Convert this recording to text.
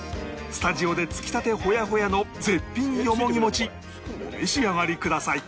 スタジオでつきたてホヤホヤの絶品よもぎ餅お召し上がりください